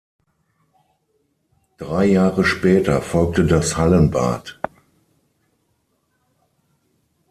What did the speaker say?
Drei Jahre später folgte das Hallenbad.